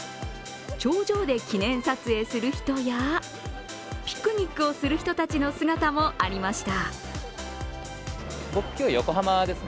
頂上で記念撮影する人やピクニックをする人たちの姿もありました。